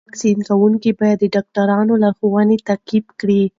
ټول واکسین کوونکي باید د ډاکټرانو لارښوونې تعقیب کړي.